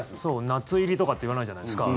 夏入りとかって言わないじゃないですか。